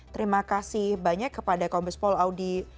terima kasih banyak kepada kombes pol audi